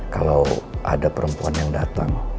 kalau ada perempuan yang datang namanya putri